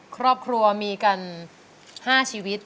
ครอบครัวมีกัน๕ชีวิต